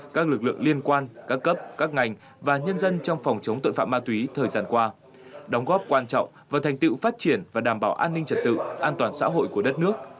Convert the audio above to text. các lực lượng liên quan các cấp các ngành và nhân dân trong phòng chống tội phạm ma túy thời gian qua đóng góp quan trọng vào thành tựu phát triển và đảm bảo an ninh trật tự an toàn xã hội của đất nước